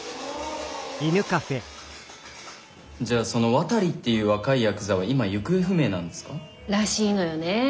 じゃあその「渡」っていう若いヤクザは今行方不明なんですか？らしいのよねぇ。